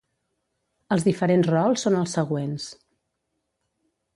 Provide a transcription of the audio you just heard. Els diferents rols són els següents: